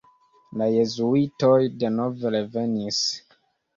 La jezuitoj denove revenis.